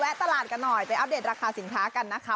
ตลาดกันหน่อยไปอัปเดตราคาสินค้ากันนะคะ